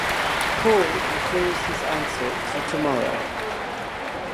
Paul defers his answer to tomorrow.